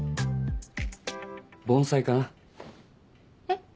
盆栽かな。